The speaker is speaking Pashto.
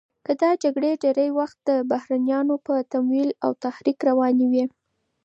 دا جګړې ډېری وخت د بهرنیانو په تمویل او تحریک روانې وې.